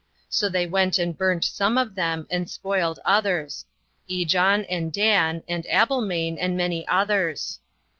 So they went and burnt some of them, and spoiled others; Ijon, and Dan, and Abelmain 32 and many others.